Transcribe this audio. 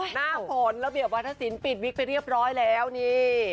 หน้าฝนระเบียบวัฒนศิลป์ปิดวิกไปเรียบร้อยแล้วนี่